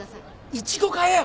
イチゴ買えよ。